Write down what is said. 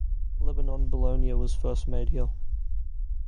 Lebanon bologna was first made here.